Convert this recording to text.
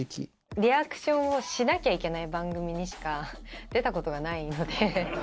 リアクションをしなきゃいけない番組にしか出たことがないので。